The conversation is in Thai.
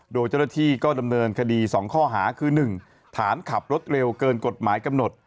โดยเจ้าหน้าที่ก็ดำเนินคดี๒ข้อหาคือ๑ฐานขับรถเร็วเกินกฎหมายกำหนด